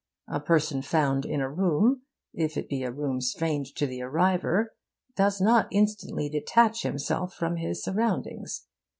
A person found in a room, if it be a room strange to the arriver, does not instantly detach himself from his surroundings.